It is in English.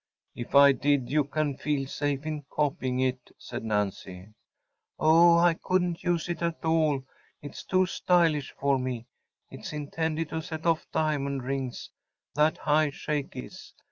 “If I did, you can feel safe in copying it,‚ÄĚ said Nancy. “Oh, I couldn’t use it, at all. It’s too stylish for me. It’s intended to set off diamond rings, that high shake is.